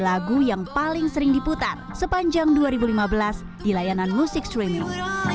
lagu yang paling sering diputar sepanjang dua ribu lima belas di layanan musik streaming